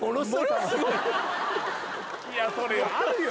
いやそれあるよ